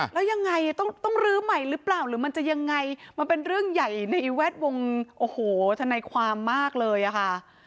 แล้วยังไงต้องลื้อใหม่หรือเปล่าหรือมันจะยังไงมันเป็นเรื่องใหญ่ในแวดวงโอ้โหทนายความมากเลยอะค่ะ